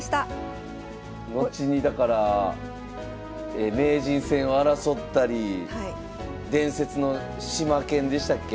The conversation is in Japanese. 後にだから名人戦を争ったり伝説の島研でしたっけ？